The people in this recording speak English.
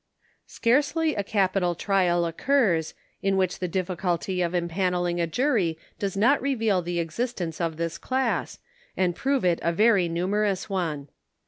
Scarcely a capital trial occurs, in which the difiiculty of im panneling a jury does not reveal the existence of this class, and prove it a very numerous one.